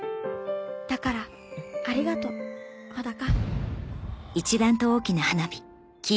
だからありがとう帆高。